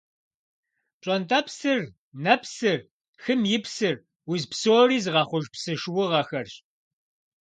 Пщӏэнтӏэпсыр, нэпсыр, хым и псыр – уз псори зыгъэхъуж псы шуугъэхэрщ.